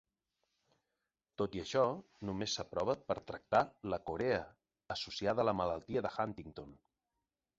Tot i això, només s'aprova per tractar la corea associada a la malaltia de Huntington.